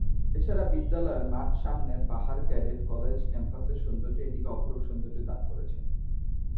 এছাড়া বিদ্যালয়ের মাঠ-সামনের পাহাড়-ক্যাডেট কলেজ ক্যাম্পাসের সৌন্দর্য এটিকে অপরূপ সৌন্দর্য দান করেছে।